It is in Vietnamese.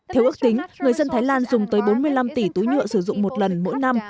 theo ước tính người dân thái lan dùng tới bốn mươi năm tỷ túi nhựa sử dụng một lần mỗi năm